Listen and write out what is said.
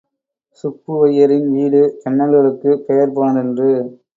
சுப்புவையரின் வீடு, ஜன்னல்களுக்குப் பெயர் போனதன்று.